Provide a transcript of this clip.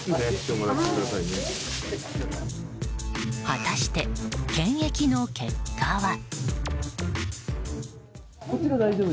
果たして検疫の結果は。